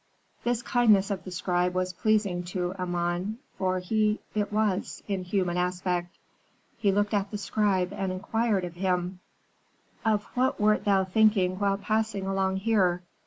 "This kindness of the scribe was pleasing to Amon, for he it was, in human aspect. He looked at the scribe, and inquired of him, "'Of what wert thou thinking while passing along here?